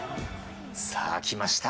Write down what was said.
さあ、きました。